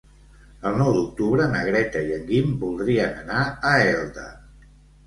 El nou d'octubre na Greta i en Guim voldrien anar a Elda.